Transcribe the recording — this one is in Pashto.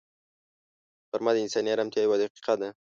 غرمه د انساني ارامتیا یوه دقیقه ده